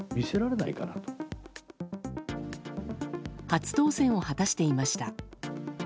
初当選を果たしていました。